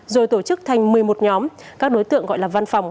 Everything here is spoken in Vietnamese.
rồi tổ chức thành một mươi một nhóm các đối tượng gọi là văn phòng